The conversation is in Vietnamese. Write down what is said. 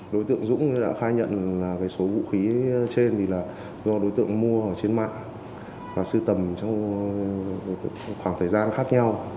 đối tượng dũng đã khai nhận là số vũ khí trên thì là do đối tượng mua ở trên mạng và sưu tầm trong khoảng thời gian khác nhau